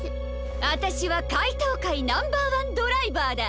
あたしはかいとうかいナンバーワンドライバーだ。